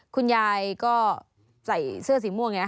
คุณยายก็ใส่เสื้อสีม่วงอย่างนี้